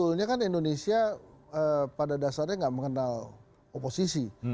sebenarnya kan indonesia pada dasarnya gak mengenal oposisi